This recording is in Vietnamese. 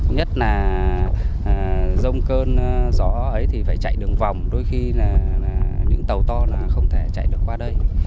nhất là rông cơn gió ấy thì phải chạy đường vòng đôi khi là những tàu to là không thể chạy được qua đây